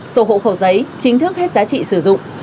sổ hộ khẩu giấy chính thức hết giá trị sử dụng